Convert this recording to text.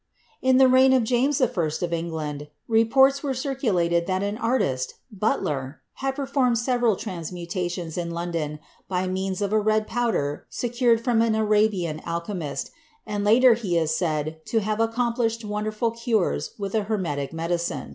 In the reign of James I. of England reports were circu lated that an artist, Butler, had performed several trans mutations in London by means of a red powder secured from an Arabian alchemist, and later he is said to have accomplished wonderful cures with a Hermetic medicine.